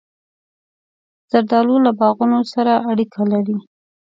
زردالو له باغونو سره اړیکه لري.